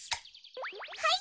はい。